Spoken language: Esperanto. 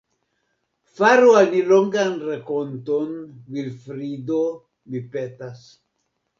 Faru al ni longan rakonton, Vilfrido, mi petas.